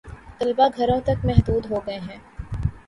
طلبا گھروں تک محدود ہو گئے ہیں